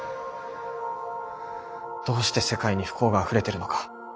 どうして世界に不幸があふれてるのか。